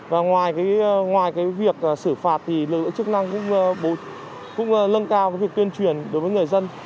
và ngoài việc xử phạt lựa chức năng cũng lân cao việc tuyên truyền đối với người dân